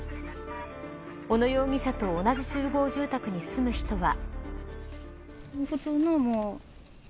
小野容疑者と同じ集合住宅に住む人は。